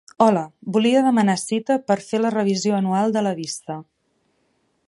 Hola, volia demanar cita per fer la revisió anual de la vista.